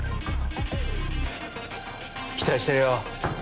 期待してるよ